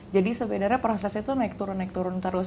jadi sebenarnya prosesnya itu naik turun terus